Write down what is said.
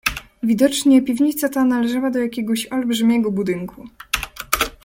"Widocznie piwnica ta należała do jakiegoś olbrzymiego budynku."